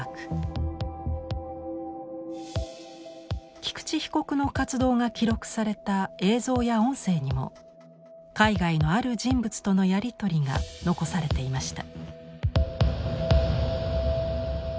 菊池被告の活動が記録された映像や音声にも海外のある人物とのやり取りが残されていました。